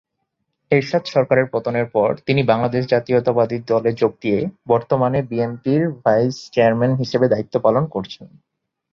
এরশাদ সরকারের পতনের পর তিনি বাংলাদেশ জাতীয়তাবাদী দলে যোগ দিয়ে বর্তমানে বিএনপির ভাইস চেয়ারম্যান হিসেবে দায়িত্ব পালন করছেন।